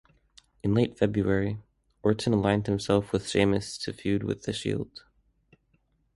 In late February, Orton aligned himself with Sheamus to feud with the Shield.